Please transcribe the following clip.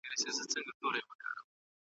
په دې منځ کي د بې طرفه خلګو ځای نسته.